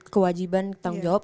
kewajiban tanggung jawab